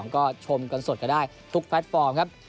ก็ชมกันสดก็ได้ทุกแพลตฟอร์มครับ